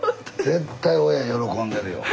絶対親喜んでるよ。